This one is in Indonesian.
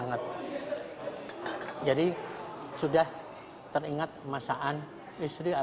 sesehingga teringat masakan istri